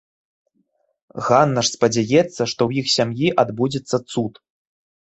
Ганна ж спадзяецца, што ў іх сям'і адбудзецца цуд.